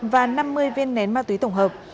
và năm mươi viên nén ma túy tổng hợp